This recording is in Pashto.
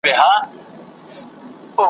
حیوانان ورته راتلل له نیژدې لیري `